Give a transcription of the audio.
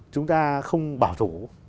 chúng ta không bảo thủ